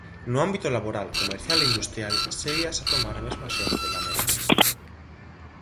No ámbito laboral, comercial e industrial ségueas a tomar a mesma xente, lamenta.